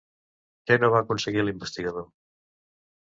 Què no va aconseguir l'investigador?